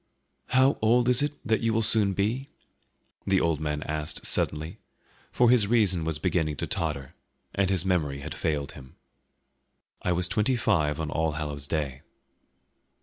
"How old is it that you will soon be?" the old man asked suddenly, for his reason was beginning to totter, and his memory had failed him. "I was twenty five on All Hallows' Day."